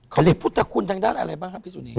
เขามีพุทธคุณทางด้านอะไรบ้างครับพี่สุนี